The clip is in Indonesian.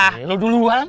eh lu duluan